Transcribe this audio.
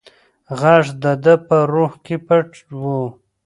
غږ د ده په روح کې پټ و.